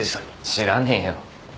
知らねえよ。